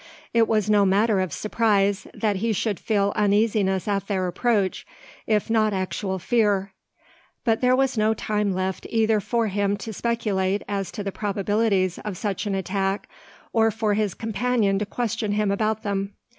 It was no matter of surprise, that he should feel uneasiness at their approach, if not actual fear. But there was no time left either for him to speculate as to the probabilities of such an attack, or for his companion to question him about them.